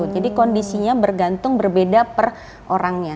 jadi kondisinya bergantung berbeda per orangnya